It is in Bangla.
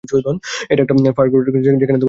এটা একটা ফার্কটেট বোর্ড, যেখানে আমার অক্ষর রেখেছি।